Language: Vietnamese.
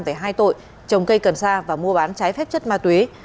về hai tội trồng cây cần sa và mua bán trái phép chất ma túy